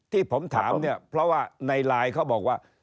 ที่ผมถามเพราะในไลน์เขาบอกว่า